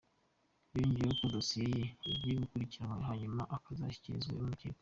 Yongeyeho ko dosiye ye igiye gukurikiranwa hanyuma azashyikirizwe urukiko.